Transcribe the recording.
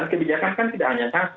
kebijakan kan tidak hanya sanksi